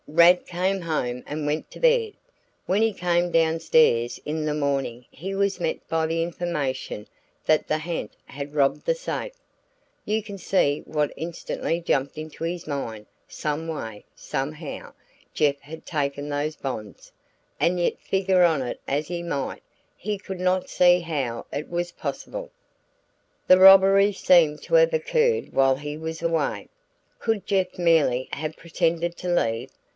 Rad came home and went to bed. When he came down stairs in the morning he was met by the information that the ha'nt had robbed the safe. You can see what instantly jumped into his mind some way, somehow, Jeff had taken those bonds and yet figure on it as he might, he could not see how it was possible. The robbery seemed to have occurred while he was away. Could Jeff merely have pretended to leave?